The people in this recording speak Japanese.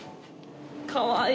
かわいい。